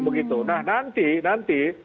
begitu nah nanti nanti